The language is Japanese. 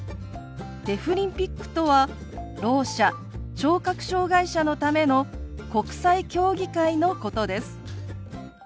デフリンピックとはろう者聴覚障害者のための国際競技会のことです。